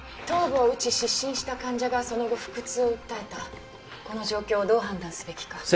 頭部を打ち失神した患者がその後腹痛を訴えたこの状況をどう判断すべきか。